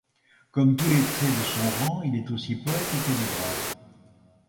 Comme tout lettré de son rang, il est aussi poète et calligraphe.